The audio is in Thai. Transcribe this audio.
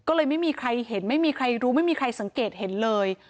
ก็เลยไม่มีใครเห็นไม่มีใครรู้ไม่มีใครสังเกตเห็นเลย